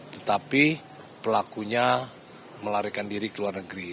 tetapi pelakunya melarikan diri ke luar negeri